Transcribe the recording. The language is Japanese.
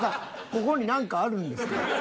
ここに何かあるんですか？